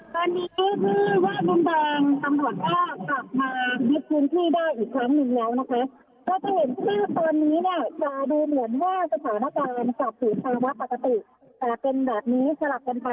ตอนนี้ที่ว่าบริเวณแดงสำรวจภาพกลับมาบิดพื้นที่ได้อีกครั้งหนึ่งแล้วนะคะ